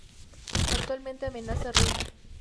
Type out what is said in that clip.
Actualmente amenaza ruina.